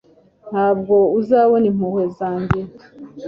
ntabwo uzabona impuhwe zanjye